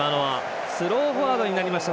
スローフォワードになりました。